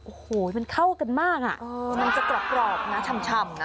โอ้โหมันเข้ากันมากอ่ะเออมันจะกรอบกรอบนะช่ำช่ำนะ